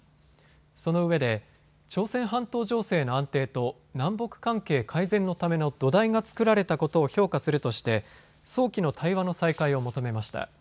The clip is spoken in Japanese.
そのうえで朝鮮半島情勢の安定と南北関係改善のための土台が作られたことを評価するとして早期の対話の再開を求めました。